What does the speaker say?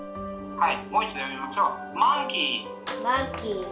はい。